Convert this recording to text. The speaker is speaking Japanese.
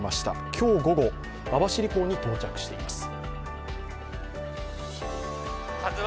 今日午後、網走港に到着しています